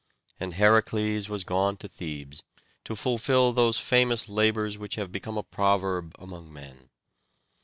And Heracles was gone to Thebes, to fulfil those famous labours which have become a proverb among men.